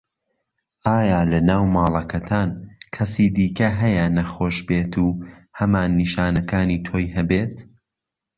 ئایا لەناو ماڵەکەتان کەسی دیکه هەیە نەخۆش بێت و هەمان نیشانەکانی تۆی هەبێت؟